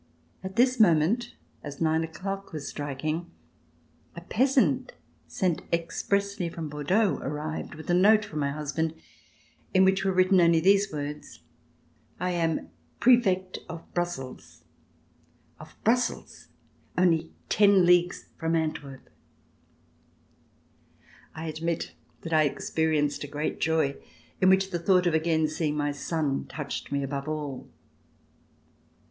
At this moment, as nine o'clock was striking, a peasant sent expressly from Bordeaux arrived with a note from my husband in which were written only these words: "I am Prefect of Brussels, of Brussels only ten leagues from Antwerp!" C334] THE EMPEROR AT BORDEAUX I admit that I experienced a great joy in which the thought of again seeing my son touched me above all.